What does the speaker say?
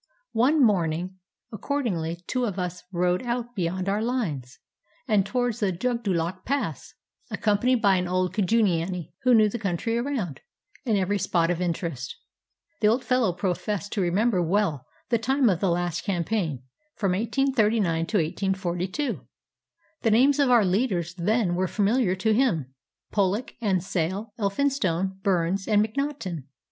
One morning accordingly two of us rode out beyond our lines, and towards the Jugdullok Pass, accompanied by an old Kujiani who knew the country around, and every spot of interest. The old fellow professed to re member well the time of the last campaign from 1839 to 1842. The names of our leaders then were familiar to him, Pollock and Sale, Elphinstone, Burnes, and Mac naughten.